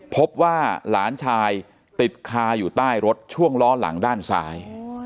พบว่าหลานชายติดคาอยู่ใต้รถช่วงล้อหลังด้านซ้าย